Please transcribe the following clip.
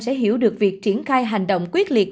sẽ hiểu được việc triển khai hành động quyết liệt